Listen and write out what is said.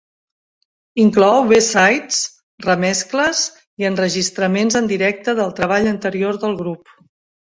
Inclou "b-sides", remescles i enregistraments en directe del treball anterior del grup.